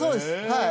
はい。